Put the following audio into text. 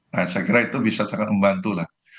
nah saya kira itu bisa sangat membantu lah